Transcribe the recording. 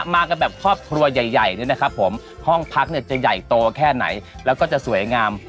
มากันแบบครอบครัวใหญ่เนี่ยนะครับผมห้องพักเนี่ยจะใหญ่โตแค่ไหนแล้วก็จะสวยงาม